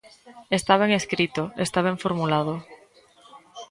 Está ben escrito, está ben formulado.